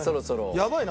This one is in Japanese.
やばいな。